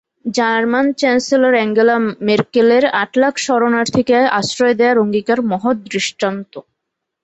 German chancellor Angela মেরকেলের আট লাখ শরণার্থীকে আশ্রয় দেওয়ার অঙ্গীকার মহৎ দৃষ্টান্ত।